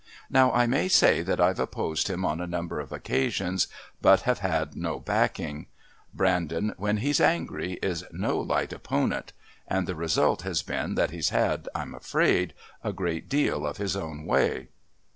Now I may say that I've opposed him on a number of occasions but have had no backing. Brandon, when he's angry, is no light opponent, and the result has been that he's had, I'm afraid, a great deal of his own way."